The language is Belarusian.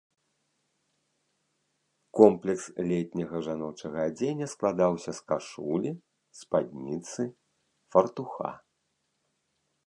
Комплекс летняга жаночага адзення складаўся з кашулі, спадніцы, фартуха.